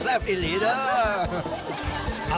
เสียบอีหลีจ้า